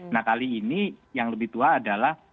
nah kali ini yang lebih tua adalah